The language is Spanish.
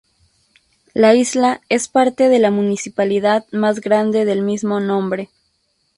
La isla es parte de la municipalidad más grande del mismo nombre.